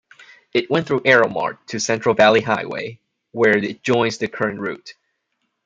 It went through Earilmart to Central Valley Highway, where it joins the current route.